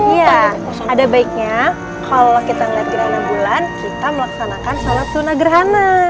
ya ada baiknya kalau kita melihat gerhana bulan kita melaksanakan sholat sunnah gerhana